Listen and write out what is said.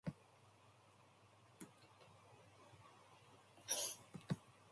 North of Culver, the highway enters the agricultural community of Madras.